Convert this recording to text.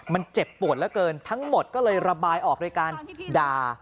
มันเจ็บปวดเหลือเกินทั้งหมดก็เลยระบายออกโดยการด่า